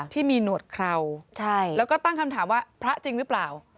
ที่มีหนวดเคราแล้วก็ตั้งคำถามว่าพระจริงหรือเปล่า